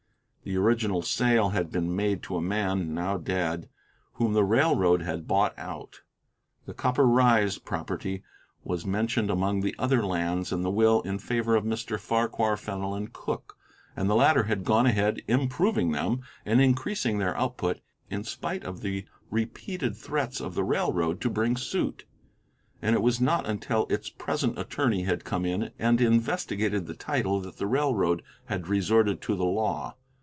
The original sale had been made to a man, now dead, whom the railroad had bought out. The Copper Rise property was mentioned among the other lands in the will in favor of Mr. Farquhar Fenelon Cooke, and the latter had gone ahead improving them and increasing their output in spite of the repeated threats of the railroad to bring suit. And it was not until its present attorney had come in and investigated the title that the railroad had resorted to the law.